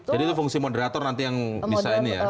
jadi itu fungsi moderator nanti yang bisa ini ya